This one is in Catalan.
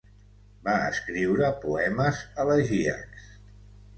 Va escriure poemes elegíacs.